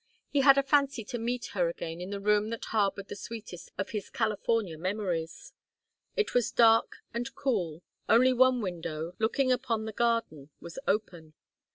He had a fancy to meet her again in the room that harbored the sweetest of his California memories. It was dark and cool. Only one window, looking upon the garden, was open.